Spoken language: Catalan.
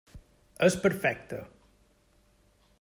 És perfecta.